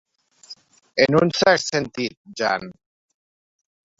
En un cert sentit, jan.